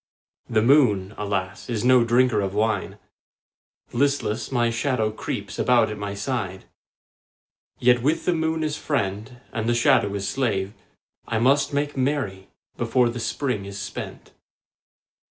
The moon, alas, is no drinker of wine; Listless, my shadow creeps about at my side. Yet with the moon as friend and the shadow as slave I must make merry before the Spring is spent.